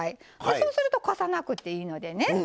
そうするとこさなくていいのでね。